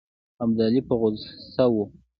ابدالي په غوسه وو.